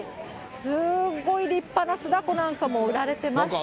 すごい立派な酢だこなんかも売られてまして。